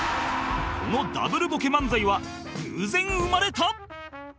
この Ｗ ボケ漫才は偶然生まれた？